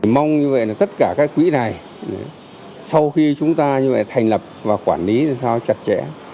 mong như vậy là tất cả các quỹ này sau khi chúng ta như vậy thành lập và quản lý làm sao chặt chẽ